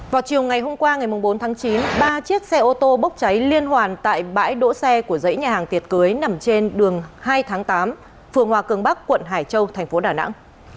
vào chiều ngày hôm qua ngày bốn tháng chín ba chiếc xe ô tô bốc cháy liên hoàn tại bãi đỗ xe của dãy nhà hàng tiệc cưới nằm trên đường hai tháng tám phường hòa cường bắc quận hải châu thành phố đà nẵng